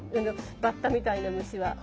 バッタみたいな虫は。